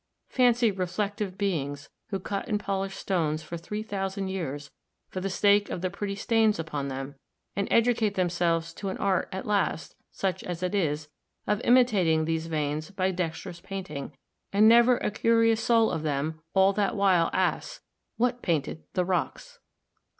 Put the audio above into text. Fancy reflective be ings, who cut and polish stones for three thousand years, for the sake of the pretty stains upon them; and educate themselves to an art at last (such as it is), of imitating these veins by dexterous painting; and never a curious soul of them, all that while, asks, 'What painted the rocks